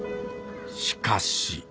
しかし。